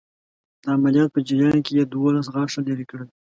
د عملیات په جریان کې یې دوولس غاښه لرې کړل.